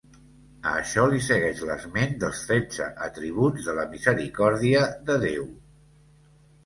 A això li segueix l'esment dels tretze atributs de la misericòrdia de Déu.